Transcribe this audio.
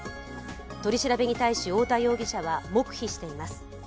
取り調べに対し太田容疑者は黙秘しています。